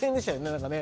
何かね。